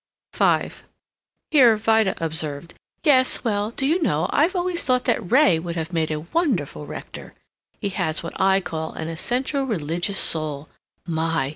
V Here Vida observed, "Yes well Do you know, I've always thought that Ray would have made a wonderful rector. He has what I call an essentially religious soul. My!